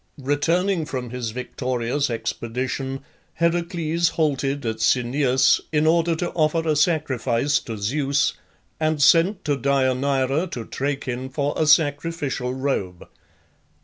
Returning from his victorious expedition, Heracles halted at Cenoeus in order to offer a sacrifice to Zeus, and sent to Deianeira to Trachin for a sacrificial robe.